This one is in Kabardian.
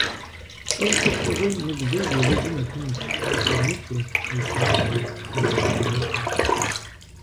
Пцӏыр сыт щыгъуи ныбжьу уи ужьым итынущ пкӀэрымыкӀыу, уилъахъэу, уигъэлъэпэрапэу.